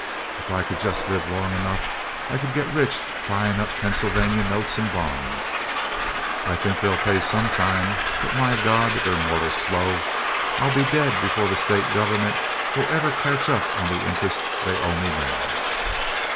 If I could just live long enough I could get rich buyin' up Pennsylvania notes and bonds. I think they'll pay some time; but, my God, they're mortal slow! I'll be dead before the State government will ever catch up on the interest they owe me now."